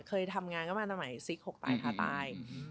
เคยทำงานกันมาตั้งแต่ว่าศิก๖ตายท้าตาย